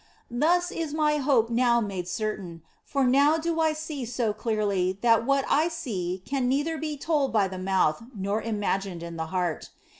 Thus is my hope now made certain, for now do I see so clearly that what I see can neither be told by the mouth nor imagined in the heart.